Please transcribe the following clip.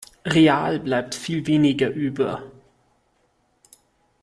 Real bleibt viel weniger über.